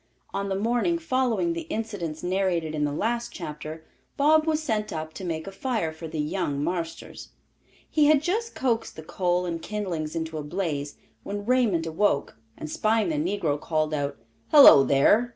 On the morning following the incidents narrated in the last chapter, Bob was sent up to make a fire for "the young marsters." He had just coaxed the coal and kindlings into a blaze, when Raymond awoke, and spying the negro, called out, "Hello, there!